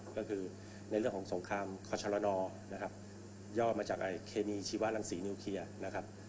ก็คือในเรื่องของสงครามคอนชะละนอย่อมาจากเคมีชีวลังสีนิวเคลียร์